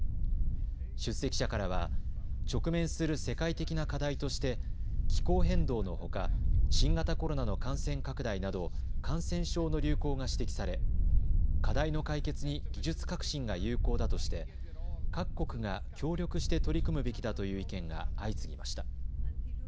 出席者からは直面する世界的な課題として気候変動のほか新型コロナの感染拡大など感染症の流行が指摘され課題の解決に技術革新が有効だとして各国が協力して取り組むべきだという意見が相次ぎました。